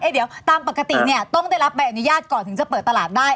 เดี๋ยวตามปกติเนี่ยต้องได้รับใบอนุญาตก่อนถึงจะเปิดตลาดได้